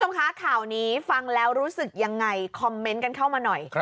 คุณผู้ชมคะข่าวนี้ฟังแล้วรู้สึกยังไงคอมเมนต์กันเข้ามาหน่อย